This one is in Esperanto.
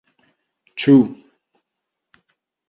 Ĉu.